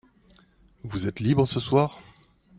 Vous êtes libre ce soir ?